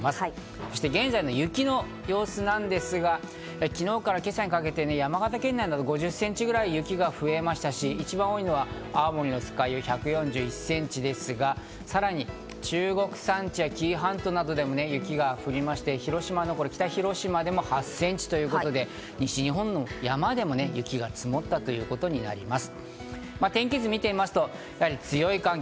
そして現在の雪の様子なんですが、昨日から今朝にかけて山形県内は５０センチぐらい雪が増えましたし、一番多いのは青森の酸ヶ湯、１４１センチですが、さらに中国山地や、紀伊半島などでも雪が降りまして、広島の北広島でも８センチ、西日本の山でも雪が積もったということになります。